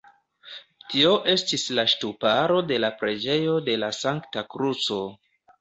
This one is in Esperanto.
Tio estis la ŝtuparo de la preĝejo de la Sankta Kruco.